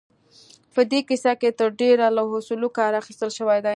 په دې کيسه کې تر ډېره له اصولو کار اخيستل شوی دی.